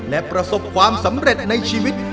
และประสบความสำเร็จในชีวิต